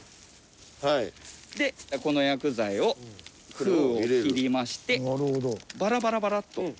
でこの薬剤を封を切りましてバラバラバラッと。